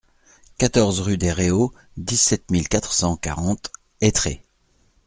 quatorze rue des Réaux, dix-sept mille quatre cent quarante Aytré